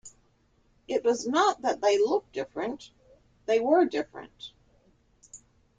It was not that they looked different; they were different.